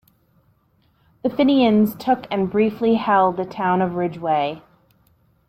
The Fenians took and briefly held the town of Ridgeway.